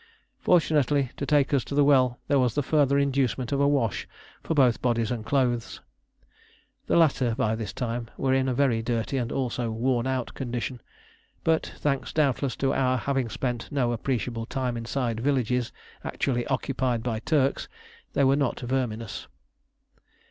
Fortunately, to take us to the well there was the further inducement of a wash for both bodies and clothes. The latter by this time were in a very dirty and also worn out condition; but thanks doubtless to our having spent no appreciable time inside villages actually occupied by Turks, they were not verminous.